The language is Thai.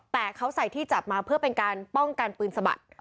แต่เขาใส่ที่จับมาเพื่อเป็นการป้องกันปืนสะบัด